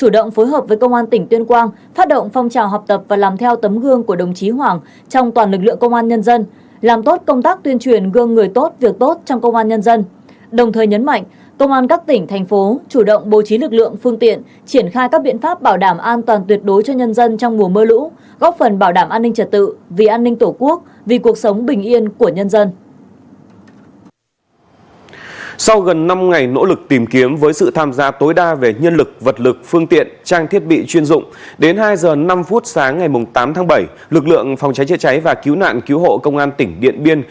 đến hai giờ năm phút sáng ngày tám tháng bảy lực lượng phòng cháy chữa cháy và cứu nạn cứu hộ công an tỉnh điện biên